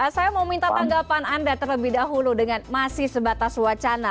saya mau minta tanggapan anda terlebih dahulu dengan masih sebatas wacana